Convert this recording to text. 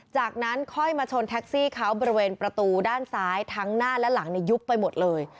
จากนั้นค่อยมาชนแท็กซี่เขาบริเวณประตูด้านซ้ายทั้งหน้าและหลังยุบไปหมดเลย